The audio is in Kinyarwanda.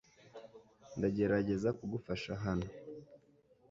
Ndagerageza kugufasha hano .